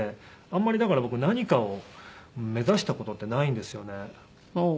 あんまりだから僕何かを目指した事ってないんですよね。